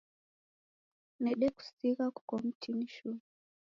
Nedekusigha kuko mtini shuu